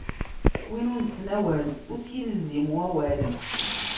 Win ur nettnawal, ur as-ilzim wawal.